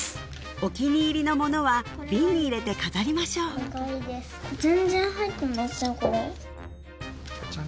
お気に入りのものは瓶に入れて飾りましょう全然入ってません